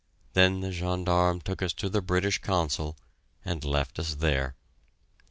Then the gendarme took us to the British Consul, and left us there.